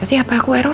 masa sih apa aku error